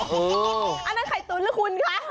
อันนั้นไข่ตุ๋นหรือคุณคะ